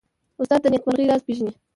استاد د نېکمرغۍ راز پېژني.